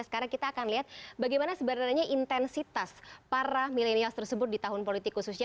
sekarang kita akan lihat bagaimana sebenarnya intensitas para milenial tersebut di tahun politik khususnya